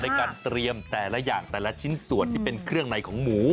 ในการเตรียมแต่ละอย่างแต่ละชิ้นส่วนที่เป็นเครื่องในของหมู